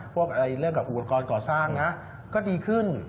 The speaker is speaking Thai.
พวกอะไรเรื่องกับอุปกรณ์ก่อสร้างนะก็ดีขึ้น